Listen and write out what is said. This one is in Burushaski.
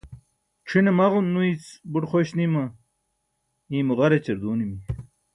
c̣ʰin maġon nuyic buṭ xoś nima iimo ġar ećar duunimi